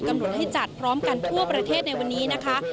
หนุนให้จัดพร้อมกันทั่วประเทศในวันนี้นะคะ